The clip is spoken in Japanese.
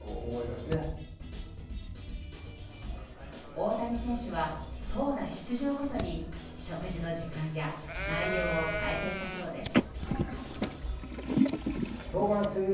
大谷選手は、投打出場ごとに食事の時間や内容を変えていたそうです。